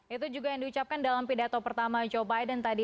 itu juga yang diucapkan dalam pidato pertama joe biden tadi